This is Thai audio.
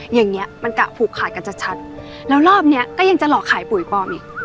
อย่างเงี้ยมันกะผูกขาดกันชัดแล้วรอบเนี้ยก็ยังจะหลอกขายปุ๋ยปลอมอีก